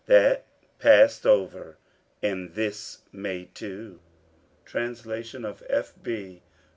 That pass'd over, and this may, too! Translation of F.B.